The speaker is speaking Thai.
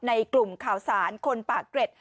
ในกลุ่มข่าวสารคนปากเกร็ด